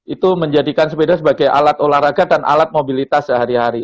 itu menjadikan sepeda sebagai alat olahraga dan alat mobilitas sehari hari